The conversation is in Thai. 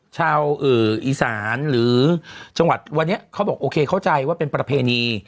ชาวอีสานหรือจังหวัดวันนี้เขาบอกโอเคเข้าใจว่าเป็นประเพณี